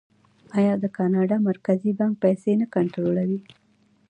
آیا د کاناډا مرکزي بانک پیسې نه کنټرولوي؟